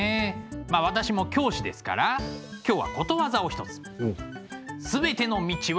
まあ私も教師ですから今日はことわざを一つ。おっ。